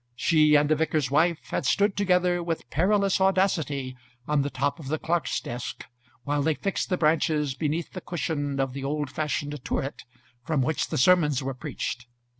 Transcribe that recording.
She and the vicar's wife had stood together with perilous audacity on the top of the clerk's desk while they fixed the branches beneath the cushion of the old fashioned turret, from which the sermons were preached.